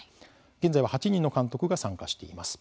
現在は８人の監督が参加しています。